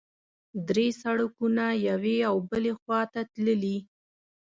درې سړکونه یوې او بلې خوا ته تللي.